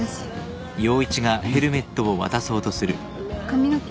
髪の毛。